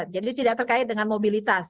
jadi tidak terkait dengan mobilitas